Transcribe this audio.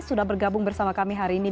sudah bergabung bersama kami hari ini